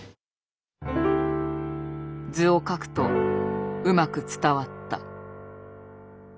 図を描くとうまく伝わった。